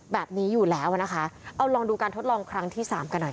แบบนี้อยู่แล้วอ่ะนะคะเอาลองดูการทดลองครั้งที่สามกันหน่อยค่ะ